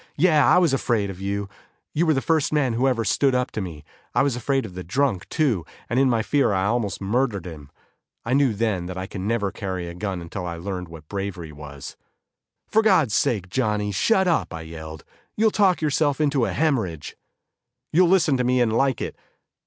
"Yeah, I was afraid of you; you were the first man who ever stood up to me. I was afraid of the drunk, too, and in my fear I almost murdered him. I knew then that I could never carry a gun until I learned what bravery was." "For God's sake, Johnny, shut up!" I yelled, "You'll talk yourself into a hemorrhage." "You'll listen to me and like it."